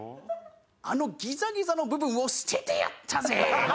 あのギザギザの部分を捨ててやったぜ！